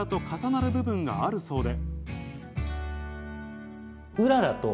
役柄と重なる部分があるそうで。